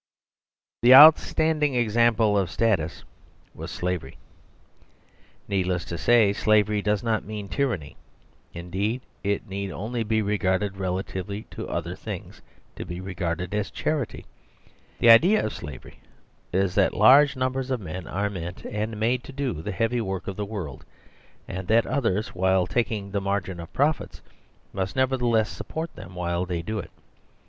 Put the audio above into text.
The outstanding example of status was slavery. Needless to say slavery does not mean tyranny; indeed it need only be re garded relatively to other things to be re garded as charity. The idea of slavery is that large numbers of men are meant and made to do the heavy work of the world, and that oth ers, while taking the margin of profits, must nevertheless support them while they do it.